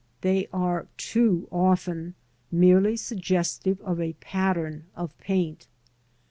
They are too often merely suggestive of a pattern of paint.